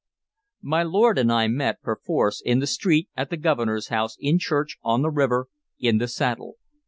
My lord and I met, perforce, in the street, at the Governor's house, in church, on the river, in the saddle.